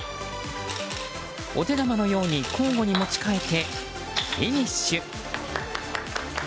お手玉のように交互に持ち替えてフィニッシュ！